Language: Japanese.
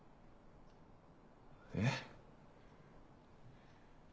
えっ？